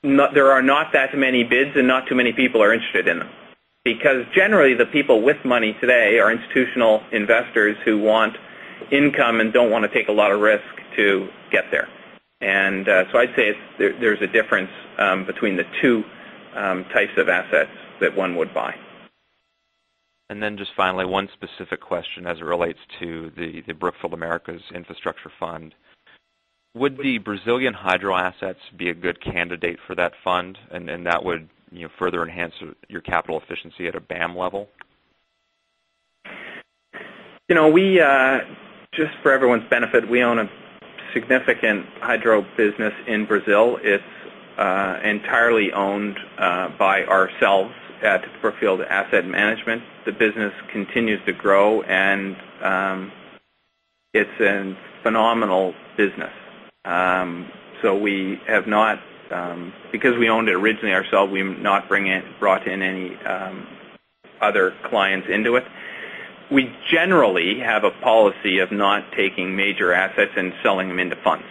F: not there are not that many bids and not too many people are interested in them because generally the people with money today are institutional investors who want income and don't want to take a lot of risk to get there. And so I'd say there's a difference between the two types of assets that one would buy.
L: And then just finally one specific question as it relates to the Brookfield Americas infrastructure fund. Would the Brazilian hydro assets be a good candidate for that fund and that would further enhance your capital efficiency at a BAM level?
F: We just for everyone's benefit, we own a significant hydro business in Brazil. It's entirely owned by ourselves at Brookfield Asset Management. The business continues to grow and it's a phenomenal business. So we have not because we owned it originally ourselves, we're not bringing brought in any other clients into it. We generally have a policy of not taking major assets and selling them into funds.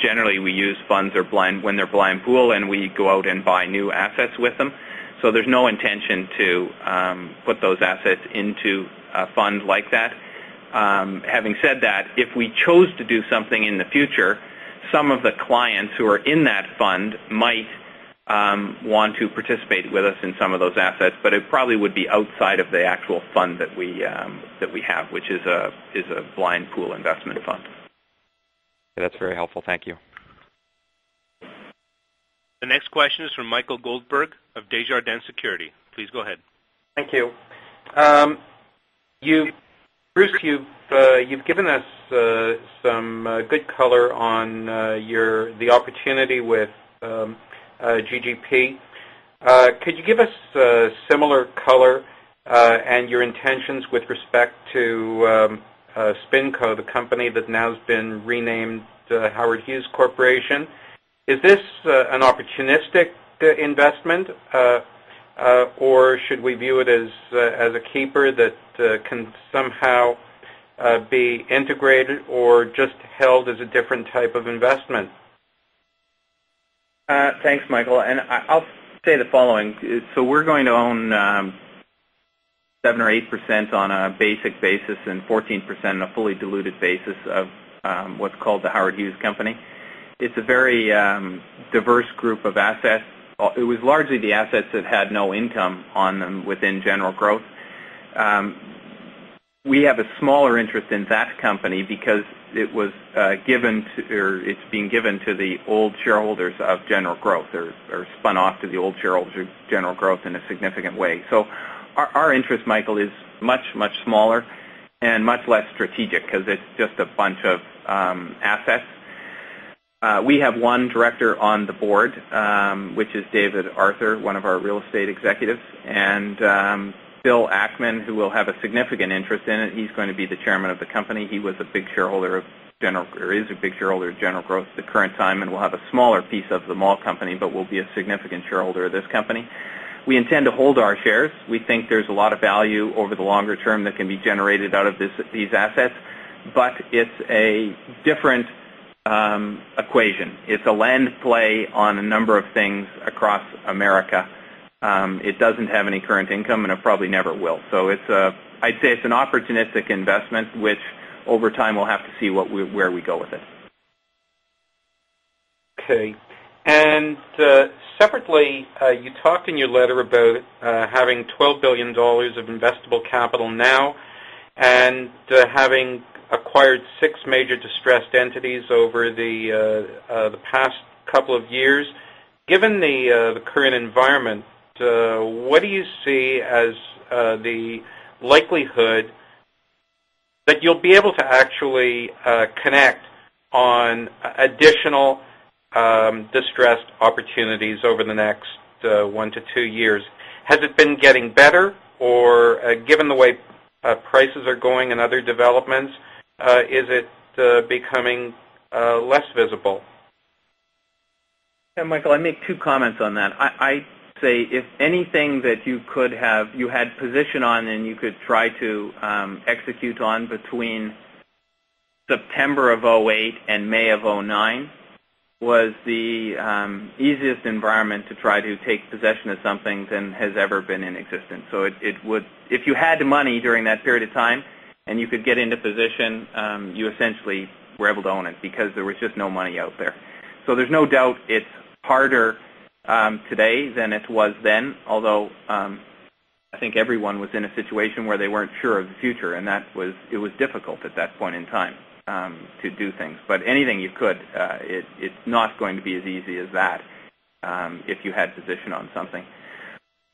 F: Generally, we use funds are blend when they're blind pool and we go out and buy new assets with them. So there's no intention to put those assets into a fund like that. Having said that, if we chose to do something in the future, some of the clients who are in that fund might want to participate with us in some of those assets, but it probably would be outside of the actual fund that we have, which is a blind pool investment fund.
L: That's very helpful. Thank you.
A: The next question is from Michael Goldberg of Desjardins Securities. Please go ahead.
F: Thank you.
G: Bruce, you've given us some good color on your the opportunity with GGP. Could you give us similar color and your intentions with respect to SpinCo, the company that now has been renamed Howard Hughes Corporation. Is this an opportunistic investment or should we view it as a keeper that can somehow be integrated or just held as a different type of investment?
F: Thanks, Michael. And I'll say the following. So we're going to own 7% or 8% on a basic basis and 14% on a fully diluted basis of what's called the Howard Hughes Company. It's a very diverse group of assets. It was largely the assets that had no income on them within general growth. We have a smaller interest in that company because it was given to or it's been given to the old shareholders of general growth or spun off to the old shareholders general growth in a significant way. So our interest Michael is much, much smaller and much less strategic because it's just a bunch of assets. We have one Director on the Board, which is David Arthur, one of our real estate executives And Bill Ackman, who will have a significant interest in it, he's going to be the Chairman of the company. He was a big shareholder of General or is a big shareholder of General Growth the current time and we'll have a smaller piece of the mall company, but will be a significant shareholder of this company. We intend to hold our shares. We think there's a lot of value over the longer term that can be generated out of these assets. But it's a different equation. It's a land play on a number of things across America. It doesn't have any current income and it probably never will. So it's I'd say it's an opportunistic investment which over time we'll have to see what where we go with it.
G: Okay. And separately, you talked in your letter about having $12,000,000,000 of investable capital now and having acquired 6 major distressed entities over the past couple of years. Given the current environment, what do you see as the likelihood
H: that you'll be able to
G: actually connect on additional distressed opportunities over the next 1 to 2 years. Has it been getting better or given the way prices are going and other developments, is it becoming less visible?
F: Michael, I make two comments on that. I'd say if anything that you could have you had position on and you could try to execute on between September of 'eight May of 'nine was the easiest environment to try to take possession of something than has ever been in existence. So it would if you had the money during that period of time and you could get into position, you essentially were able to own it because there was just no money out there. So there's no doubt it's harder today than it was then although I think everyone was in a situation where they weren't sure of the future and that was it was difficult at that point in time to do things. But anything you could, it's not going to be as easy as that if you had position on something.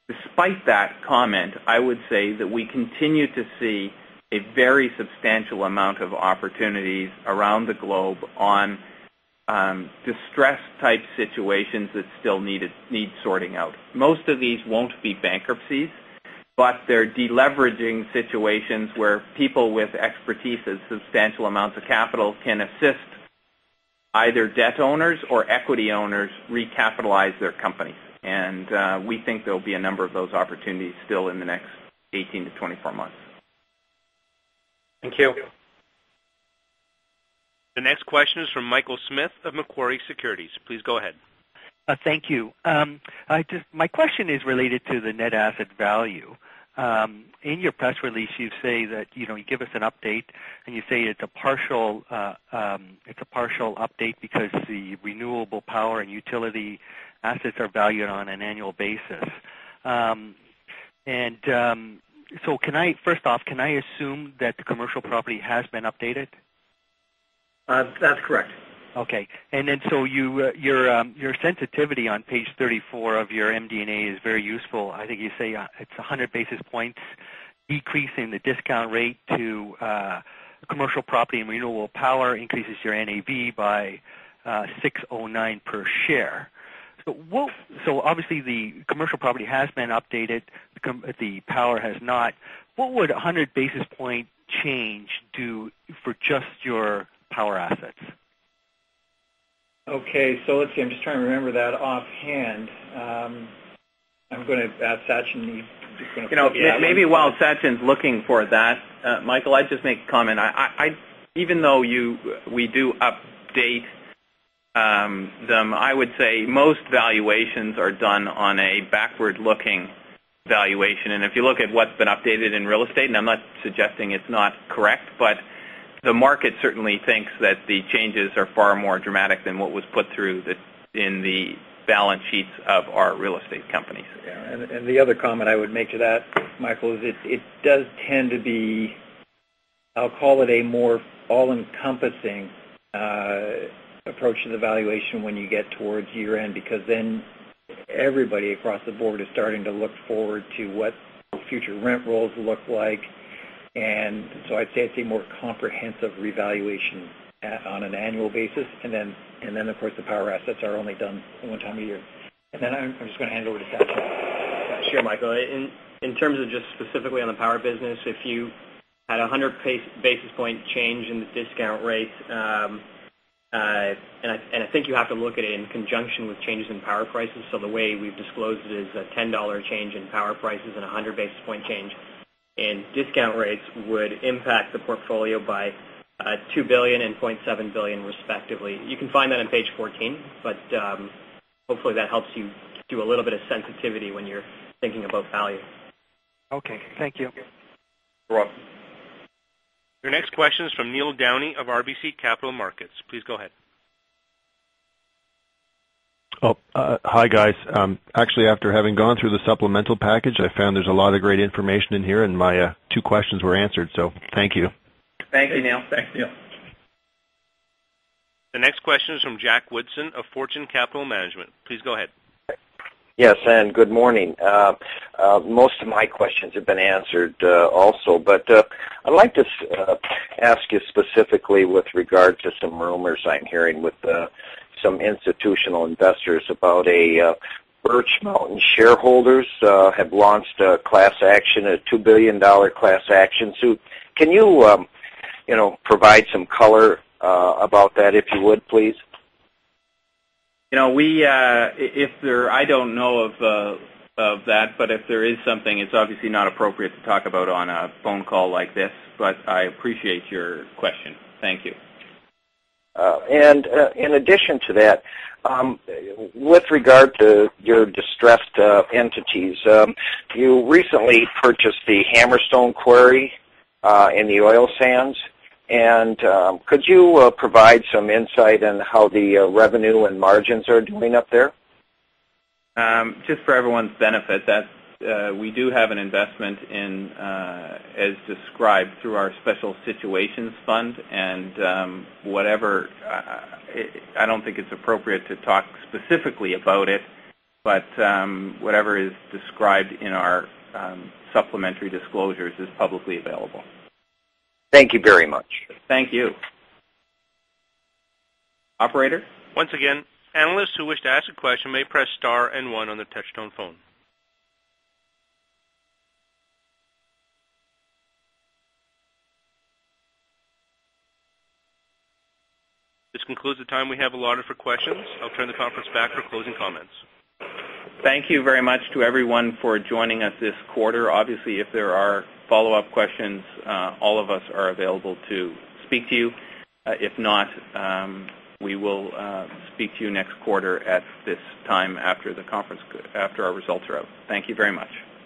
F: Despite that comment, I would say that we continue to see a very substantial amount of opportunities around the globe on distress type situations that still need sorting out. Most of these won't be bankruptcies, but they're deleveraging situations where people with expertise of substantial amounts of capital can assist either debt owners or equity owners recapitalize their company. And we think there will be a number of those opportunities still in the next 18 to 24 months.
A: Thank you. The next question is from Michael Smith of Macquarie Securities. Please go ahead.
J: Thank you. My question is related to the net asset value. In your press release, you say that you give us an update and you say it's a partial update because the renewable power and utility assets are valued on an annual basis. And so can I 1st off, can I assume that the commercial property has been updated?
E: That's correct.
J: Okay. And then so your sensitivity on Page 34 of your MD and A is very useful. I think you say it's 100 basis points decrease in the discount rate to commercial property and renewable power increases your NAV by $609 per share. So obviously the commercial property has been updated, the power has not. What would 100 basis point change do for just your power assets?
E: Okay. So let's see. I'm just trying to remember that offhand. I'm going to ask Sachin
F: to Maybe while Sachin is looking for that, Michael, I'd just make a comment. I even though you we do update them, I would say most valuations are done on a backward looking valuation. And if you look at what's been updated in real estate, and I'm not suggesting it's not correct, but the market certainly thinks that the changes are far more dramatic than what was put through in the balance sheets of our real estate companies.
E: And the other comment I would make to that Michael is it does tend to be I'll call it a more all encompassing approach to the valuation when you get towards year end because then everybody across the board is starting to look forward to what future rent rolls look like. And so I'd say I'd say more comprehensive revaluation on an annual basis. And then of course the power assets are only done one time a year. And then I'm just going to hand over to Sachin.
M: Sure, Michael. In terms of just specifically on the power business, if you had 100 basis point change in the discount rates, and I think you have to look at it in conjunction with changes in power prices. So the way we've disclosed it is a $10 change in power prices and a 100 basis point change in discount rates would impact the portfolio by $2,000,000,000 $700,000,000 respectively. You can find that on page 14, but hopefully that helps you do a little bit of sensitivity when you're thinking about value.
D: Okay. Thank you.
F: You're welcome.
A: Your next question is from Neil Downey of RBC Capital Markets. Please go ahead.
N: Hi, guys. Actually, after having gone through the supplemental package, I found there's a lot of great information in here and my two questions were answered. So thank you.
F: Thanks, Neil. Thanks, Neil.
A: The next question is from Jack Woodson of Fortune Capital Management. Please go ahead.
O: Yes, and good morning. Most of my questions have been answered also, but I'd like to ask you specifically with regard to some rumors I'm hearing with some institutional investors about a Birch Mountain shareholders have launched a class action, a $2,000,000,000 class action suit. Can you provide some color about that, if you would, please?
F: We if there I don't know of that, but if there is something, it's obviously not appropriate to talk about on a phone call like this, but I appreciate your question. Thank you.
O: And in addition to that, with regard to your distressed entities, you recently purchased the Hammerstone Quarry in the oil sands. And could you provide some insight on how the revenue and margins are doing up there?
F: Just for everyone's benefit that we do have an investment in as described through our special situations fund and whatever I don't think it's appropriate to talk specifically about it, But whatever is described in our supplementary disclosures is publicly available.
O: Thank you very much.
F: Thank you. Operator?
A: This concludes the time we have allotted for questions. I'll turn the conference back for closing comments.
F: Thank you very much to everyone for joining us this quarter. Obviously, if there are follow-up questions, all of us are available to speak to you. If not, we will speak to you next quarter at this time after the conference after our results are out. Thank you very much.